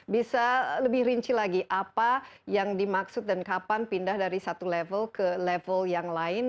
bisa lebih rinci lagi apa yang dimaksud dan kapan pindah dari satu level ke level yang lain